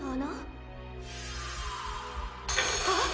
あっ！